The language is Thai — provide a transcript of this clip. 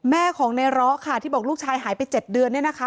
แม่ของในร้อค่ะที่บอกลูกชายหายไป๗เดือนเนี่ยนะคะ